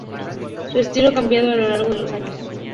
Su estilo ha cambiado a lo largo de los años.